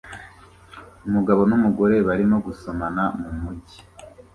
Umugabo numugore barimo gusomana mumujyi